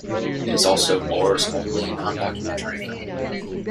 It is also Moore's only non-documentary film.